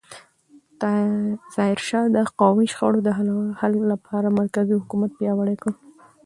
ظاهرشاه د قومي شخړو د حل لپاره مرکزي حکومت پیاوړی کړ.